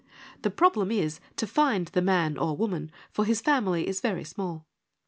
The problem is, to find the man — or woman — for his family is very small.